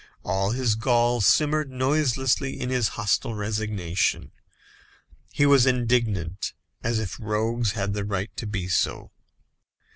All his gall simmered noiselessly in his hostile resignation. He was indignant, as if rogues had the right to be so.